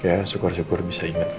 kayaknya syukur syukur bisa ingatmu